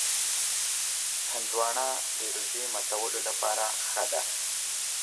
هندوانه د روژې ماتولو لپاره ښه ده.